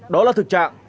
đó là thực trạng